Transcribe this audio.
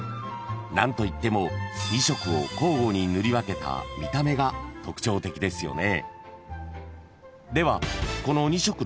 ［何といっても２色を交互に塗り分けた見た目が特徴的ですよね］